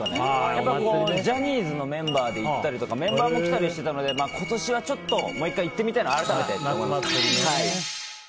やっぱりジャニーズのメンバーで行ったりメンバーも来たりしてたので今年はもう１回行ってみたいな改めて、と思います。